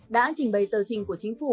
đã trình bày tờ trình của chính phủ